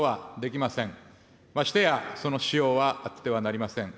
ましてや、その使用はあってはなりません。